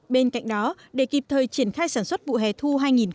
bên cạnh đó để kịp thời triển khai sản xuất vụ hè thu hai nghìn một mươi tám